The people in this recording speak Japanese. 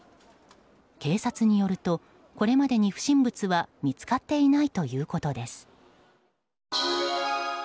警察によると、これまでに不審物は見つかっていないということです。